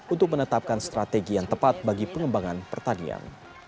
untuk menetapkan strategi yang tepat bagi pengembangan pertanian